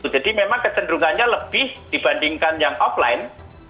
jadi memang kecenderungannya lebih dibandingkan yang offline